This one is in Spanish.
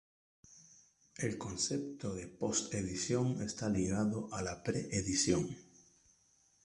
El concepto de post edición está ligado a la pre edición.